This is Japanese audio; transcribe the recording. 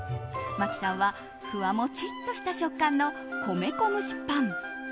麻希さんはふわモチッとした食感の米粉蒸しパン。